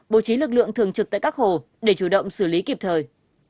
bố trí lực lượng thường trực tại các hồ để chủ động xử lý kịp thời